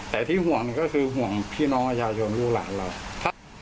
แต่ที่ห่วงก็คือห่วงพี่น้องประชาชนลูกหลานเรา